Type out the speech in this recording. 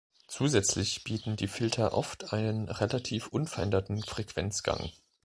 Zusätzlich bieten die Filter oft einen relativ unveränderten Frequenzgang.